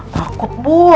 kau kok bu